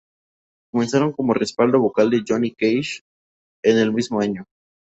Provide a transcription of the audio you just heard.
Comenzaron como respaldo vocal de Johnny Cash en el mismo año.